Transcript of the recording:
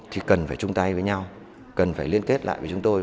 thì cần phải chung tay với nhau cần phải liên kết lại với chúng tôi